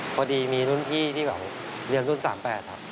พอดีมีรุ่นพี่ที่เขาเรียนรุ่น๓๘ครับ